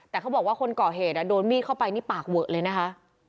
แต่เขาบอกว่าคนก่อเหตุโดนมีดเข้าไปนี่ปากเวอะเลยนะคะ